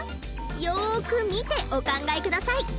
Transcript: よく見てお考えください。